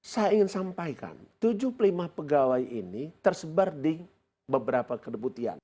saya ingin sampaikan tujuh puluh lima pegawai ini tersebar di beberapa kedebutian